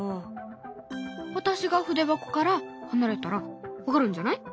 私が筆箱から離れたら分かるんじゃない？